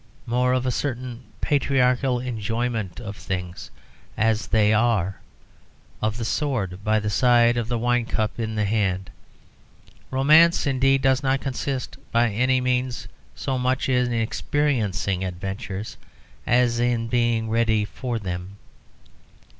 more of a certain patriarchal enjoyment of things as they are of the sword by the side and the wine cup in the hand. Romance, indeed, does not consist by any means so much in experiencing adventures as in being ready for them.